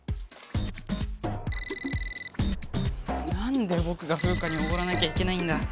なんでぼくがフウカにおごらなきゃいけないんだ。